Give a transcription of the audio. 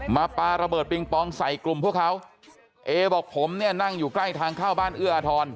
ปลาระเบิดปิงปองใส่กลุ่มพวกเขาเอบอกผมเนี่ยนั่งอยู่ใกล้ทางเข้าบ้านเอื้ออาทร